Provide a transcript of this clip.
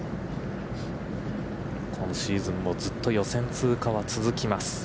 今シーズンもずっと予選通過は続きます。